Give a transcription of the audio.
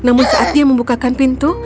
namun saat ia membukakan pintu